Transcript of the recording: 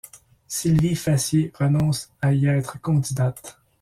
Sylvie Fassier renonce a y être candidate.